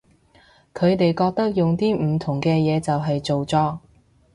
佢哋覺得用啲唔同嘅嘢就係造作